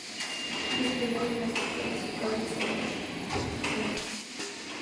El plumaje de su cabeza y cuerpo es de color blanco.